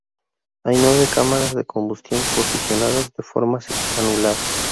Hay nueve cámaras de combustión posicionadas de forma anular.